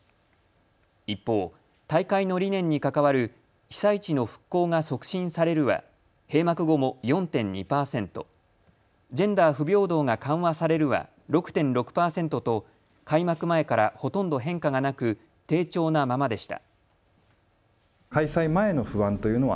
一方、大会の理念に関わる被災地の復興が促進されるは閉幕後も４．２％、ジェンダー不平等が緩和されるは６．６％と開幕前からほとんど変化がなく低調なままでした。